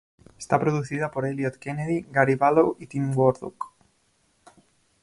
Está producida por Eliot Kennedy, Gary Barlow y Tim Woodcock.